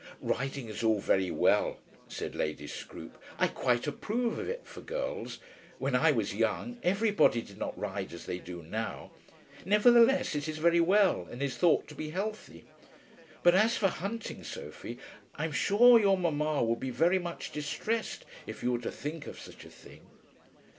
"Riding is all very well," said Lady Scroope. "I quite approve of it for girls. When I was young, everybody did not ride as they do now. Nevertheless it is very well, and is thought to be healthy. But as for hunting, Sophie, I'm sure your mamma would be very much distressed if you were to think of such a thing."